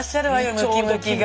ムキムキが。